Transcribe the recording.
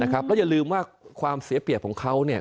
ไม่อย่าลืมว่าความเสียเปรียบของเขาเนี่ย